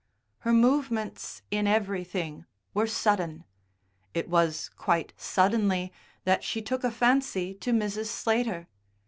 Her movements in everything were sudden; it was quite suddenly that she took a fancy to Mrs. Slater.